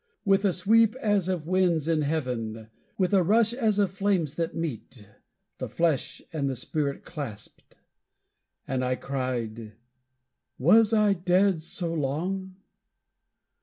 With a sweep as of winds in heaven, with a rush as of flames that meet, The Flesh and the Spirit clasped; and I cried, "Was I dead so long?"